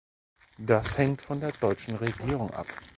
Das hängt von der deutschen Regierung ab.